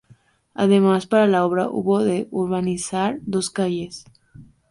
Además, para la obra hubo de urbanizar dos calles.